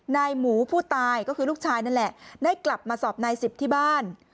หมูผู้ตายก็คือลูกชายนั่นแหละได้กลับมาสอบนายสิบที่บ้าน